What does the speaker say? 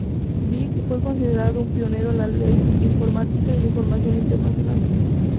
Bing fue considerado un pionero en la ley informática y de información internacional.